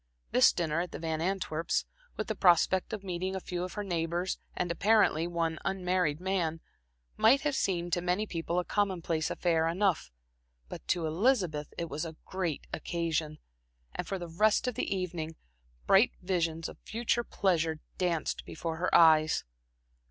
This dinner at the Van Antwerps', with the prospect of meeting a few of her neighbors and apparently, one unmarried man, might have seemed to many people a commonplace affair enough; but to Elizabeth it was a great occasion, and for the rest of the evening, bright visions of future pleasure danced before her eyes.